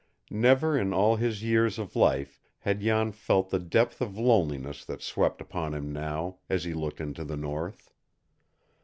Never in all his years of life had Jan felt the depth of loneliness that swept upon him now, as he looked into the North.